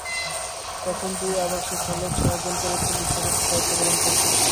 তখন দুই আবাসিক হলে ছয়জন করে পুলিশ সদস্য দায়িত্ব পালন করছিলেন।